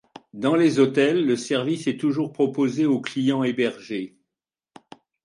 Dans les hôtels, le service est toujours proposé aux clients hébergés.